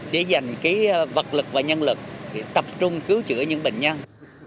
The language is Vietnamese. để dành vật lực và nhân lực để tập trung cứu chữa những bệnh nhân